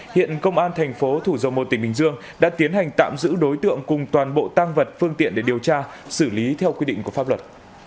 hiện công an thành phố thủ dầu một tỉnh bình dương đã tiến hành tạm giữ đối tượng cùng toàn bộ tăng vật phương tiện để điều tra xử lý theo quy định của pháp luật